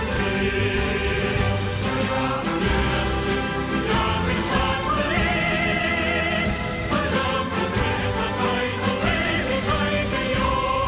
พระรามก็เคยจะไปจะไว้ให้ใครช่วยยอม